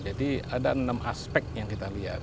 jadi ada enam aspek yang kita lihat